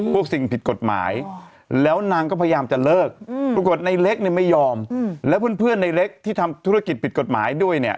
สิ่งผิดกฎหมายแล้วนางก็พยายามจะเลิกปรากฏในเล็กเนี่ยไม่ยอมแล้วเพื่อนในเล็กที่ทำธุรกิจผิดกฎหมายด้วยเนี่ย